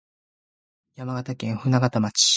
山形県舟形町